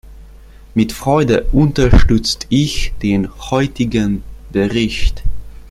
Mit Freude unterstützt ich den heutigen Bericht.